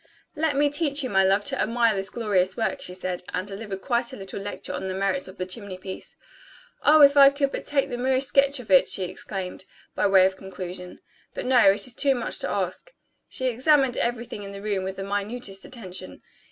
"Let me teach you, my love, to admire this glorious work," she said, and delivered quite a little lecture on the merits of the chimney piece. "Oh, if I could but take the merest sketch of it!" she exclaimed, by way of conclusion. "But no, it is too much to ask." She examined everything in the room with the minutest attention.